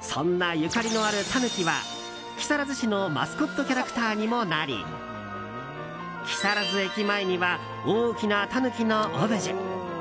そんなゆかりのあるタヌキは木更津市のマスコットキャラクターにもなり木更津駅前には大きなタヌキのオブジェ。